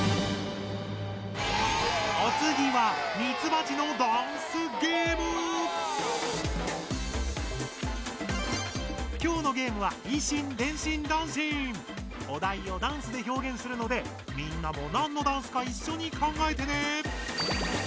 おつぎは今日のゲームはお題をダンスで表現するのでみんなもなんのダンスかいっしょに考えてね！